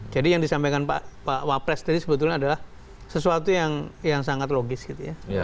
jadi yang disampaikan pak wapres tadi sebetulnya adalah sesuatu yang sangat logis gitu ya